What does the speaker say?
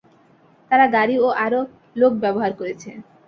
তারা গাড়ি ও আরও লোক ব্যবহার করেছে।